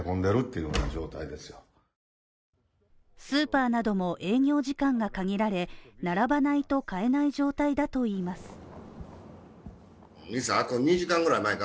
スーパーなども営業時間が限られ並ばないと買えない状態だといいます。